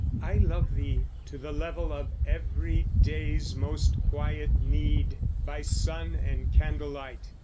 I love thee to the level of everyday's Most quiet need, by sun and candlelight.